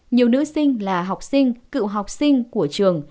nhiều nữ sinh là học sinh cựu học sinh của trường